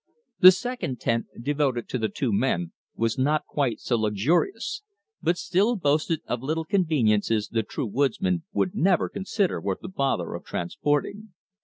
The second tent, devoted to the two men, was not quite so luxurious; but still boasted of little conveniences the true woodsman would never consider worth the bother of transporting.